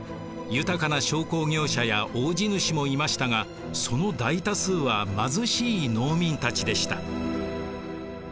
豊かな商工業者や大地主もいましたがその大多数は貧しい農民たちでした。